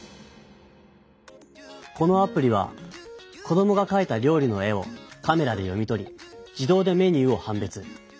このアプリは子どもがかいたりょう理の絵をカメラで読み取り自動でメニューをはんべつ。